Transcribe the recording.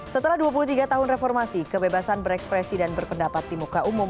setelah dua puluh tiga tahun reformasi kebebasan berekspresi dan berpendapat di muka umum